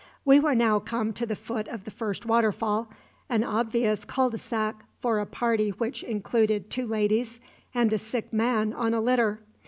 We were now come to the foot of the first waterfall, an obvious cul de sac for a party which included two ladies and a sick man on a litter.